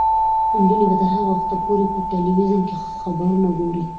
نجونې به تر هغه وخته پورې په تلویزیون کې خبرونه ګوري.